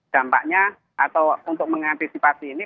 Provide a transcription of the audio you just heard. dampaknya atau untuk mengantisipasi ini